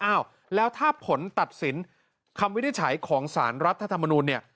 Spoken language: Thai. อ้าวแล้วถ้าผลตัดสินคำวินิจฉัยของสารรัฐธรรมนูลเนี่ย